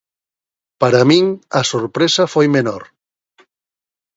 Para min a sorpresa foi menor.